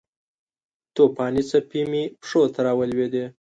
توپانې څپې مې پښو ته راولویدې